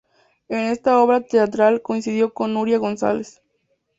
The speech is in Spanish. En esta obra teatral coincidió con Nuria González.